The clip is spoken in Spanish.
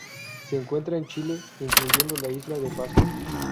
Se encuentra en Chile, incluyendo la Isla de Pascua.